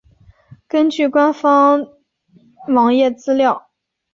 根据官方网页资料。